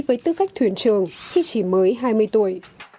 và được thuyền trường khi chỉ mới hai mươi tuổi